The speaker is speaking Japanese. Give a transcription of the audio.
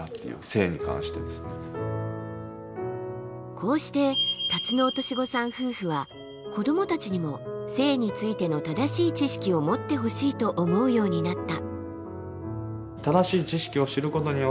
こうしてタツノオトシゴさん夫婦は子どもたちにも性についての正しい知識を持ってほしいと思うようになった。